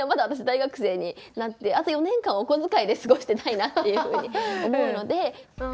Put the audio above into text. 私大学生になってあと４年間お小遣いで過ごしてたいなっていうふうに思うので。